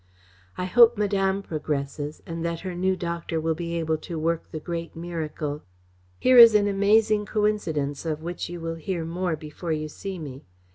I hope Madame progresses, and that her new doctor will be able to work the great miracle. Here is an amazing coincidence, of which you will hear more before you see me.